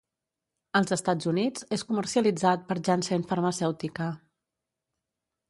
Als Estats Units, és comercialitzat per Janssen Pharmaceutica.